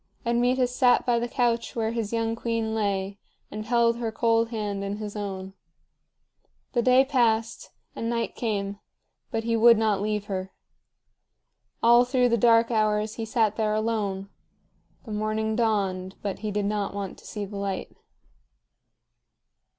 Admetus sat by the couch where his young queen lay, and held her cold hand in his own. The day passed, and night came, but he would not leave her. All through the dark hours he sat there alone. The morning dawned, but he did not want to see the light.